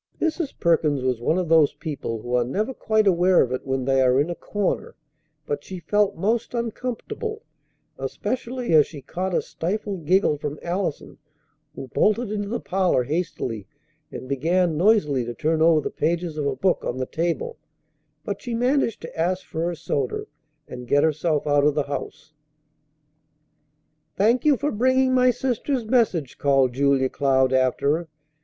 Mrs. Perkins was one of those people who are never quite aware of it when they are in a corner; but she felt most uncomfortable, especially as she caught a stifled giggle from Allison, who bolted into the parlor hastily and began noisily to turn over the pages of a book on the table; but she managed to ask for her soda and get herself out of the house. "Thank you for bringing my sister's message," called Julia Cloud after her.